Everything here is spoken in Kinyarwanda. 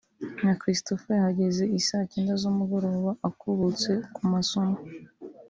nka Christopher yahageze isaa Cyenda z’umugoroba akubutse ku masomo